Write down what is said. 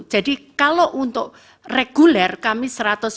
jadi kalau untuk reguler kami seratus persen